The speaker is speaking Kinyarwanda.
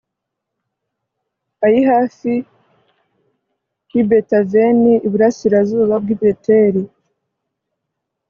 ayi hafi y i betaveni iburasirazuba bw i beteli